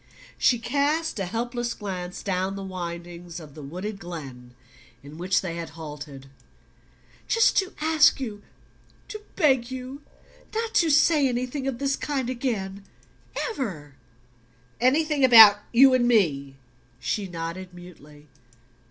She cast a helpless glance down the windings of the wooded glen in which they had halted. "Just to ask you to beg you not to say anything of this kind again EVER " "Anything about you and me?" She nodded mutely.